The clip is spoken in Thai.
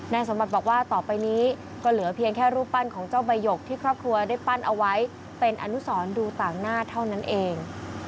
สมบัติบอกว่าต่อไปนี้ก็เหลือเพียงแค่รูปปั้นของเจ้าใบหยกที่ครอบครัวได้ปั้นเอาไว้เป็นอนุสรดูต่างหน้าเท่านั้นเอง